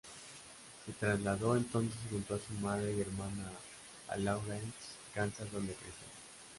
Se trasladó entonces junto a su madre y hermana a Lawrence, Kansas donde creció.